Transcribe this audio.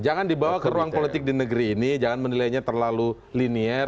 jangan dibawa ke ruang politik di negeri ini jangan menilainya terlalu linier